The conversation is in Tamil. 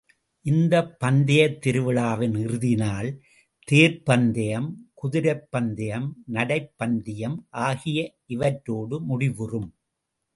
இந்தப் பந்தயத் திருவிழாவின் இறுதி நாள், தேர்ப்பந்தயம், குதிரைப் பந்தயம், நடைப் பந்தயம் ஆகிய இவற்றோடு முடிவுறும்.